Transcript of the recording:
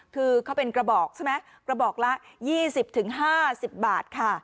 คือเขาเป็นกระบอกใช่ไหมกระบอกละยี่สิบถึงห้าสิบบาทค่ะ